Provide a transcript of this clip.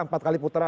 empat kali puteran